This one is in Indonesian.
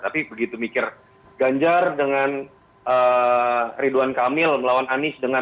tapi begitu mikir ganjar dengan ridwan kamil melawan anies dengan